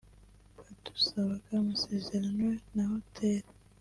badusabaga amasezerano na Hotel